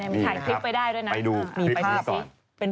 หนึ่งใส่ติ๊กไปได้ด้วยนะ